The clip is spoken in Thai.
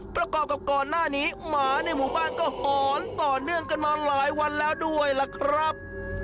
ประกอบกับก่อนหน้านี้หมาในหมู่บ้านก็หอนต่อเนื่องกันมาหลายวันแล้วด้วยล่ะครับ